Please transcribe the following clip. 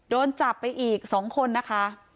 โดนจับไปอีก๒คนนะคะ